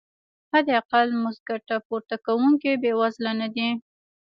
حداقل مزد ګټه پورته کوونکي بې وزله نه دي.